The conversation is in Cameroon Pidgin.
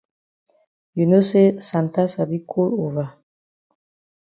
You know say Santa sabi cold over.